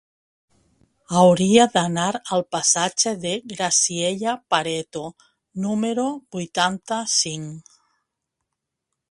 Hauria d'anar al passatge de Graziella Pareto número vuitanta-cinc.